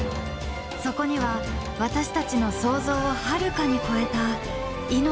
そこには私たちの想像をはるかに超えた命のドラマがあった。